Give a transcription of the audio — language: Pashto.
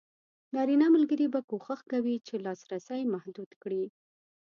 نارینه ملګري به کوښښ کوي چې لاسرسی محدود کړي.